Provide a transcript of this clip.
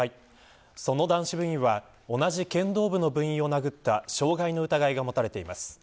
その男子部員は同じ剣道部の部員を殴った傷害の疑いが持たれています。